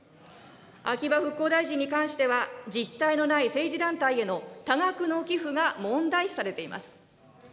秋葉復興大臣に関しては、実体のない政治団体への多額の寄付が問題視されています。